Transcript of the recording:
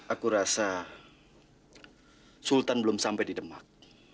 aku rasa sultan belum sampai di demak